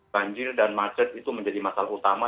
banjir dan macet itu menjadi masalah utama